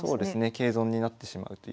桂損になってしまうという。